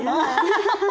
ハハハハ！